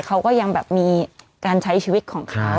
เขาก็ยังแบบมีการใช้ชีวิตของเขา